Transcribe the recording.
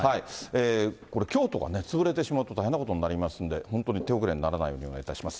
これ、京都が潰れてしまうと大変なことになりますのでね、本当に手遅れにならないようにお願いします。